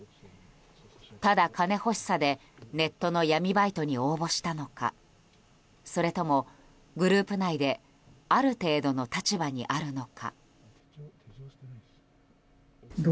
ただ金欲しさでネットの闇バイトに応募したのかそれともグループ内である程度の立場にあるのか。